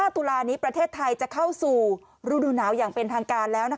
ตุลานี้ประเทศไทยจะเข้าสู่ฤดูหนาวอย่างเป็นทางการแล้ว